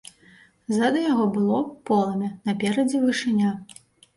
Ззаду яго было полымя, наперадзе вышыня.